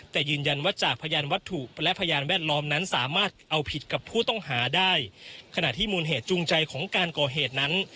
แต่ยืนยันว่าจากพยานวัตถุและพยานแวดล้อมนั้นสามารถเอาผิดกับผู้ต้องหาได้ขณะที่มูลเหตุจูงใจของการก่อเหตุนั้น